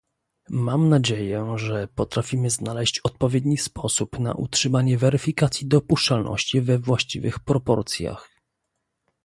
Mam nadzieję, że potrafimy znaleźć odpowiedni sposób na utrzymanie weryfikacji dopuszczalności we właściwych proporcjach